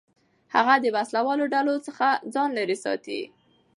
هغه د وسلهوالو ډلو څخه ځان لېرې ساتي.